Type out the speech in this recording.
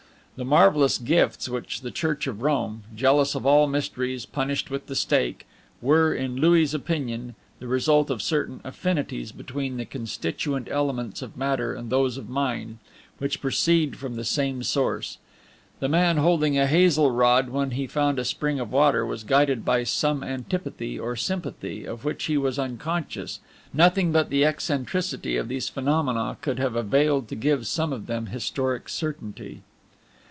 The marvelous gifts which the Church of Rome, jealous of all mysteries, punished with the stake, were, in Louis' opinion, the result of certain affinities between the constituent elements of matter and those of mind, which proceed from the same source. The man holding a hazel rod when he found a spring of water was guided by some antipathy or sympathy of which he was unconscious; nothing but the eccentricity of these phenomena could have availed to give some of them historic certainty.